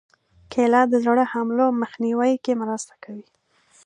کېله د زړه حملو مخنیوي کې مرسته کوي.